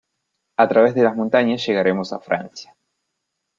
A través de las montañas llegaremos a Francia.